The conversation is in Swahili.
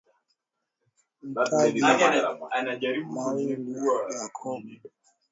Mataji mawili ya Copa del Rey na mataji matatu ya Ligi ya Mabingwa